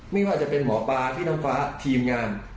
ไม่ว่าจะเป็นหมอปลาพี่น้ำฟ้าทีมงาน